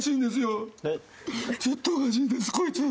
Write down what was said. ずっとおかしいんですこいつ。